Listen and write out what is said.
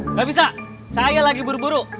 nggak bisa saya lagi buru buru